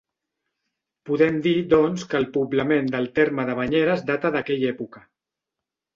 Podem dir, doncs, que el poblament del terme de Banyeres data d'aquella època.